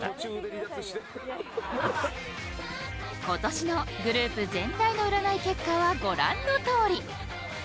今年のグループ全体の占い結果はご覧のとおり。